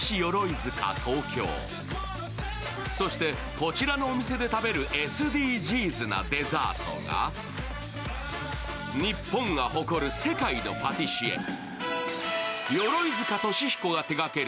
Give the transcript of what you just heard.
こちらのお店で食べるＳＤＧｓなデザートが、日本が誇る世界のパティシエ鎧塚俊彦が手がける